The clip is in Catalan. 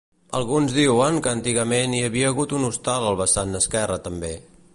Alguns diuen que antigament hi havia hagut un hostal al vessant esquerre també.